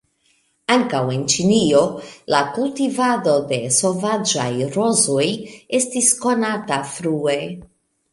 Ankaŭ en Ĉinio la kultivado de sovaĝaj rozoj estis konata frue.